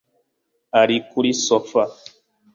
ari kuri sofa